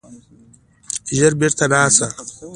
ژر بیرته راسه!